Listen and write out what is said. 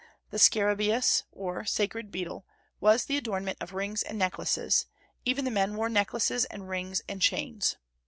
The scarabaeus, or sacred beetle, was the adornment of rings and necklaces; even the men wore necklaces and rings and chains.